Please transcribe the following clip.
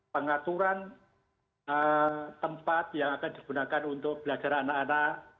pengaturan tempat yang akan digunakan untuk belajar anak anak